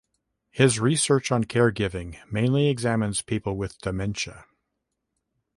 His research on caregiving mainly examines people with dementia.